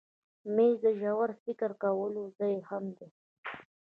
مېز د ژور فکر کولو ځای هم دی.